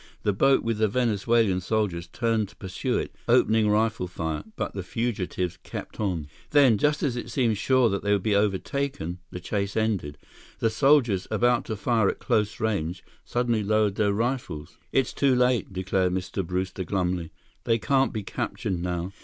The boat with the Venezuelan soldiers turned to pursue it, opening rifle fire, but the fugitives kept on. Then, just as it seemed sure they would be overtaken, the chase ended. The soldiers, about to fire at close range, suddenly lowered their rifles. "It's too late," declared Mr. Brewster glumly. "They can't be captured now.